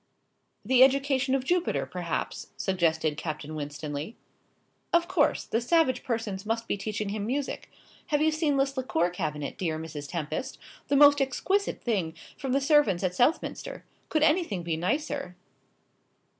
"The education of Jupiter, perhaps," suggested Captain Winstanley. "Of course. The savage persons must be teaching him music. Have you seen this liqueur cabinet, dear Mrs. Tempest? The most exquisite thing, from the servants at Southminster. Could anything be nicer?"